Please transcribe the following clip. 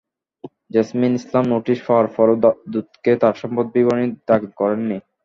Jasmine Islam notice পাওয়ার পরও দুদকে তাঁর সম্পদ বিবরণী দাখিল করেননি।